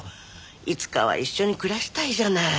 いつかは一緒に暮らしたいじゃない。